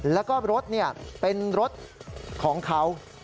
แล้วก็รถเป็นรถของเขา